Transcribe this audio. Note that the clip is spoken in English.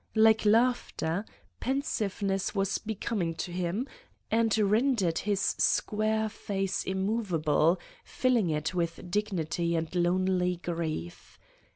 Like laughter, pensiveness was becoming to him and rendered his square face immovable, filling it with dignity and lonely grief.